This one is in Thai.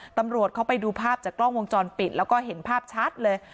ตำรวจเขาไปดูภาพจากกล้องวงจรปิดแล้วก็เห็นภาพชัดเลย